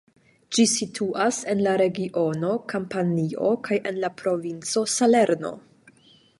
Ĝi situas en la regiono Kampanio kaj en la provinco Salerno.